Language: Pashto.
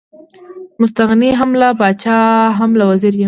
مستغني هم له پاچا هم له وزیر یم.